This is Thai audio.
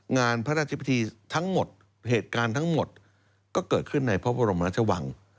งานพระราชพิธีทั้งหมดเหตุการณ์ทั้งหมดก็เกิดขึ้นในพระบรมราชวัง